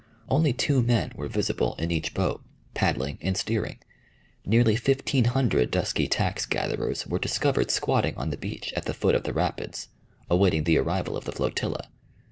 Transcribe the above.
Only two men were visible in each boat, paddling and steering. Nearly fifteen hundred dusky tax gatherers were discovered squatting on the beach at the foot of the rapids, awaiting the arrival of the flotilla.